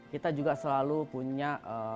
kita juga selalu punya